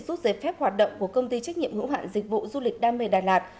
rút giấy phép hoạt động của công ty trách nhiệm hữu hạn dịch vụ du lịch đam mê đà lạt